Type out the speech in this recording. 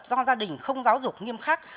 do gia đình không giáo dục nghiêm khắc